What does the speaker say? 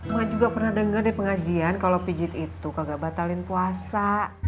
ma juga pernah denger deh pengajian kalo pijit itu kagak batalin puasa